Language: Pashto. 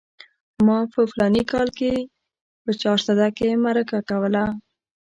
ما په فلاني کال کې په چارسده کې مرکه کوله.